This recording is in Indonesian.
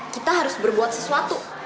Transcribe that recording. kita harus berbuat sesuatu